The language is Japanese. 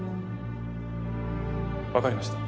わかりました。